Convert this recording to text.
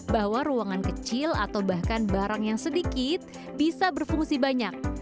bahwa ruangan kecil atau bahkan barang yang sedikit bisa berfungsi banyak